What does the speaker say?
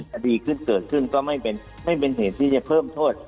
คดีขึ้นเกิดขึ้นก็ไม่เป็นเหตุที่จะเพิ่มโทษ